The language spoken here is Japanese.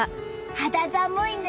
肌寒いね。